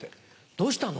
どうしたの？